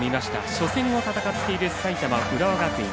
初戦を戦っている浦和学院。